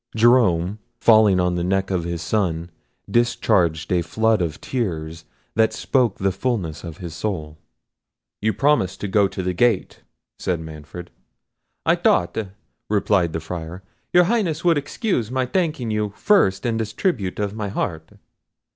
Jerome, falling on the neck of his son, discharged a flood of tears, that spoke the fulness of his soul. "You promised to go to the gate," said Manfred. "I thought," replied the Friar, "your Highness would excuse my thanking you first in this tribute of my heart."